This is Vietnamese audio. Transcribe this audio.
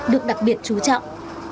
được đặc biệt chú trọng